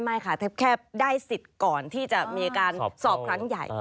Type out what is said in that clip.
ไม่ค่ะแค่ได้สิทธิ์ก่อนที่จะมีการสอบครั้งใหญ่